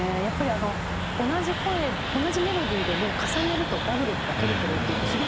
やっぱり同じ声同じメロディーでも重ねるとダブルとかトリプルっていって。